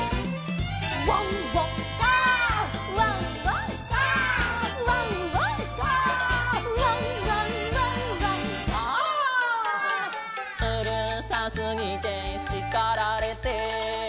「ワンワン」「カァ」「ワンワン」「カァ」「ワンワン」「カァ」「ワンワンワンワン」「カァ」「うるさすぎてしかられて」